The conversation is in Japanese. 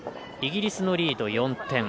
イギリスのリード、４点。